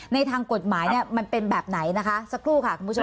ในทางกฎหมายเนี่ยมันเป็นแบบไหนนะคะสักครู่ค่ะคุณผู้ชม